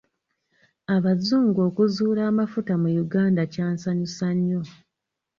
Abazungu okuzuula amafuuta mu Uganda kyansanyu nnyo.